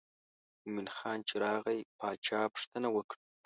مومن خان چې راغی باچا پوښتنه وکړه.